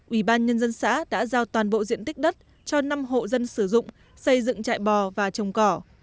ủy ban nhân dân xã đã giao toàn bộ diện tích đất cho năm hộ dân sử dụng xây dựng chạy bò và trồng cỏ